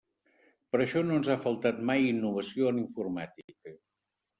Per això no ens ha faltat mai innovació en informàtica.